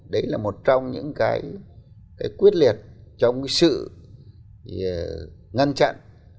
đấy là một trong những cái quyết liệt trong cái sự ngăn chặn